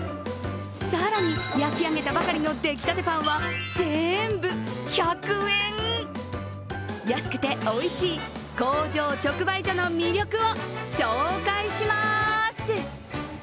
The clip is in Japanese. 更に、焼き上げたばかりのできたてパンは全部１００円。安くておいしい工場直売所の魅力を紹介します。